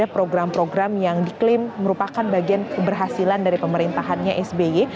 program program yang diklaim merupakan bagian keberhasilan dari pemerintahannya sby